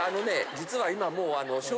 実は今もうあの。